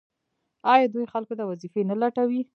آیا دوی خلکو ته وظیفې نه لټوي؟